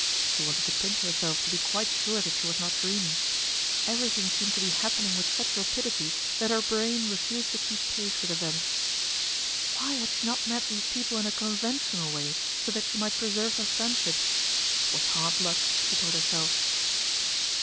She wanted to pinch her self to be quite sure that she was not dreaming. Everything seemed to be happening with such rapidity that her brain refused to keep pace with events. Why had she not met these people in a conventional way so that she might preserve their friendship ? It was hard luck, she told herself.